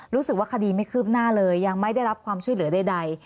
รู้สึกว่าคดีไม่คืบหน้าเลยยังไม่ได้รับความช่วยเหลือใด